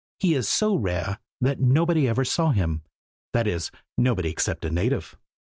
He is so rare that nobody ever saw him that is, nobody except a native.